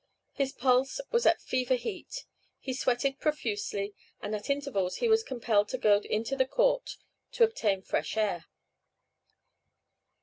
His pulse was at fever heat. He sweated profusely, and at intervals he was compelled to go into the court to obtain fresh air."